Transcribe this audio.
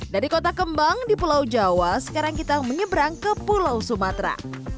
dari kota kembang di pulau jawa sekarang kita menyeberang ke pulau sumatera